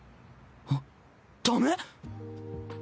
あっダメ